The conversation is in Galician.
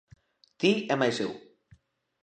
Ti e mais eu.